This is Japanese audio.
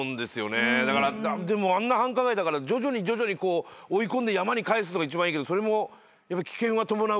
でもあんな繁華街だから徐々に徐々に追い込んで山に返すのが一番いいけどそれも危険は伴うから。